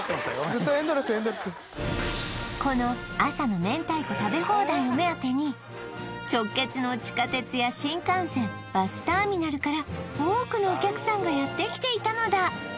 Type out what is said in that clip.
ずっとエンドレスエンドレスこの朝の明太子食べ放題を目当てに直結の地下鉄や新幹線バスターミナルから多くのお客さんがやってきていたのだ